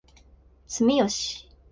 住吉